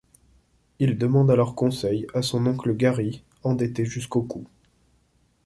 Il demande alors conseil à son oncle Gary, endetté jusqu'au cou.